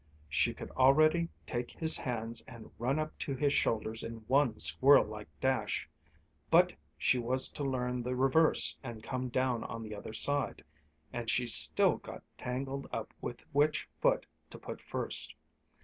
She could already take his hands and run up to his shoulders in one squirrel like dash; but she was to learn the reverse and come down on the other side, and she still got tangled up with which foot to put first.